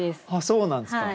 そうなんですか。